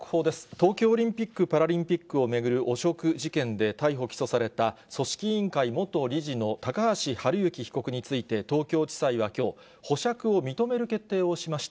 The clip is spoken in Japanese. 東京オリンピック・パラリンピックを巡る汚職事件で、逮捕・起訴された組織委員会元理事の高橋治之被告について、東京地裁はきょう、保釈を認める決定をしました。